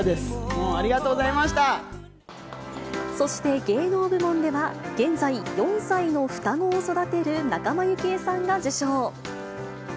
もうありがとうそして芸能部門では、現在、４歳の双子を育てる仲間由紀恵さんが受賞。